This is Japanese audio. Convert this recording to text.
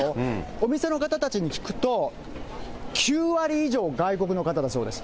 お店の方たちに聞くと、９割以上外国の方だそうです。